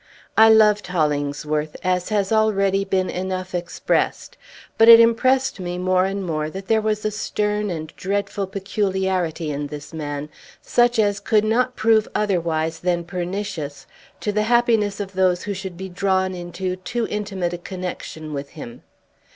I loved Hollingsworth, as has already been enough expressed. But it impressed me, more and more, that there was a stern and dreadful peculiarity in this man, such as could not prove otherwise than pernicious to the happiness of those who should be drawn into too intimate a connection with him.